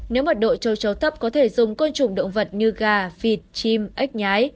nếu một đội châu chấu tấp có thể dùng côn trùng động vật như gà vịt chim ếch nhái